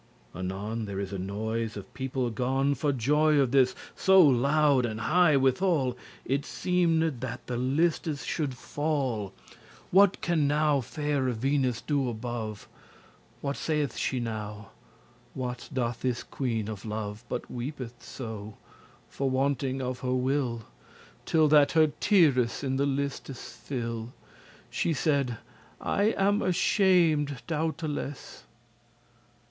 Anon there is a noise of people gone, For joy of this, so loud and high withal, It seemed that the listes shoulde fall. What can now faire Venus do above? What saith she now? what doth this queen of love? But weepeth so, for wanting of her will, Till that her teares in the listes fill* *fall She said: "I am ashamed doubteless."